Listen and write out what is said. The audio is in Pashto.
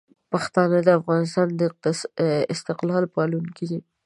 پښتانه د افغانستان د استقلال پالونکي دي.